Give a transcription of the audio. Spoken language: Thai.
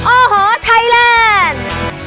โอ้โหไทยแลนด์